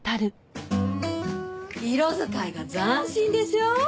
色使いが斬新でしょ？